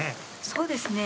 そうですね。